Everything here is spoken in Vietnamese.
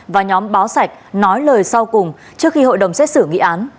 và nhóm báo sạch nói lời sau cùng trước khi hội đồng xét xử nghị án